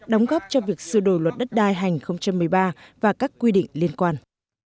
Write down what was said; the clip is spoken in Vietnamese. đóng góp cho việc sửa đổi luật đất đai hành một mươi ba và các quy định liên quan